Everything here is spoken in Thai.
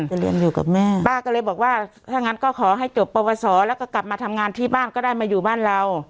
จะเรียนอยู่กับแม่ป้าก็เลยบอกว่าถ้างั้นก็ขอให้จบปวสอแล้วก็กลับมาทำงานที่บ้านก็ได้มาอยู่บ้านเรา